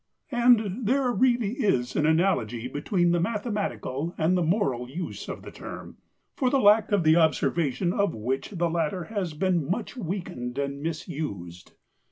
And there really is an analogy between the mathematical and the moral use of the term, for lack of the observation of which the latter has been much weakened and misused.